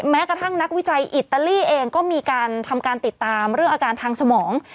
แม้กระทั่งนักวิจัยอิตาลีเองก็มีการทำการติดตามเรื่องอาการทางสมอง